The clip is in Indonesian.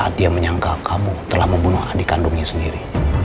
dia menyangka kamu telah membunuh adik kandungnya sendiri